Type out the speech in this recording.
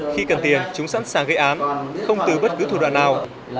khi cần tiền chúng sẵn sàng gây án không từ bất cứ thủ đoạn nào